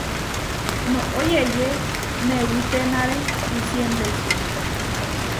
Noʼó yeyé newítenare disiembreči.